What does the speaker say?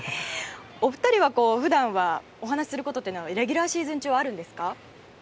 お二人は普段はお話しすることはレギュラーシーズン中はあるんですか？